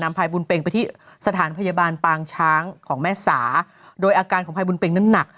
พายบุญเป็งไปที่สถานพยาบาลปางช้างของแม่สาโดยอาการของภัยบุญเป็งน้ำหนัก